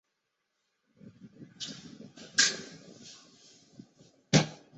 它属于英国第一级列管建筑与表定古迹。